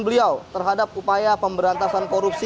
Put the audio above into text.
bapak presiden jokowi bapak presiden jokowi